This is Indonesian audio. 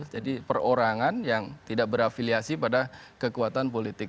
jadi perorangan yang tidak berafiliasi pada kekuatan politik